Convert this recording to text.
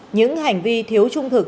những hành vi thiếu trung thực